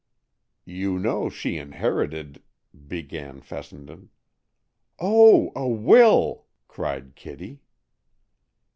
"You know she inherited," began Fessenden. "Oh, a will!" cried Kitty.